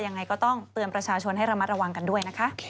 ยังไงก็ต้องเตือนประชาชนให้ระมัดระวังกันด้วยนะคะ